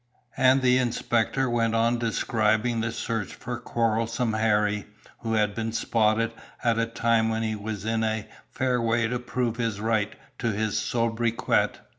And the inspector went on describing the search for "Quarrelsome Harry" who had been "spotted" at a time when he was in a fair way to prove his right to his sobriquet.